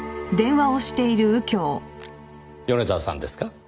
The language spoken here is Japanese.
米沢さんですか？